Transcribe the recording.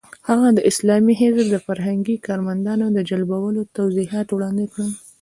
هغه د اسلامي حزب د فرهنګي کارمندانو د جلبولو توضیحات وړاندې کړل.